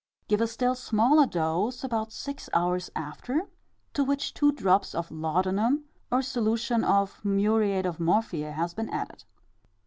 Give a still smaller dose about six hours after, to which two drops of laudanum or solution of muriate of morphiæ has been added.